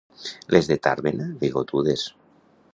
Les de Tàrbena, bigotudes.